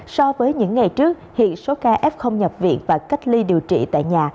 so với những ngày trước hiện số ca f nhập viện và cách ly điều trị tại nhà